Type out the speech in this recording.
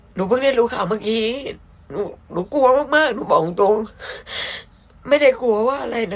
หนูเพิ่งได้รู้ข่าวเมื่อกี้หนูกลัวมากหนูบอกตรงไม่ได้กลัวว่าอะไรนะ